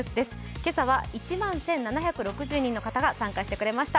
今朝は１万１７６０人の方が参加してくださいました。